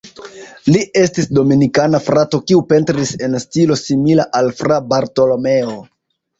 Li estis Dominikana frato kiu pentris en stilo simila al Fra Bartolomeo.